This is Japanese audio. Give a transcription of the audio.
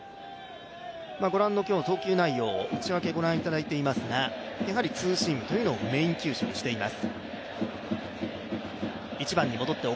投球内容、内訳をご覧いただいていますが、ツーシームというのをメイン球種にしています。